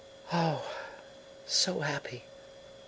"Oh, so happy!